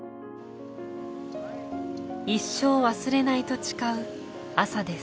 一生忘れないと誓う朝です。